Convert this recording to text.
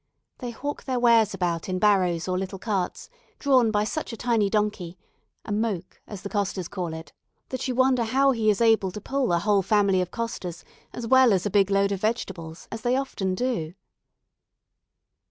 They hawk their wares about in barrows or little carts, drawn by such a tiny donkey (a "moke" as the costers call it), that you wonder how he is able to pull a whole family of costers as well as a big load of vegetables, as they often do.